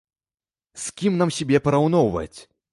З кім нам сябе параўноўваць?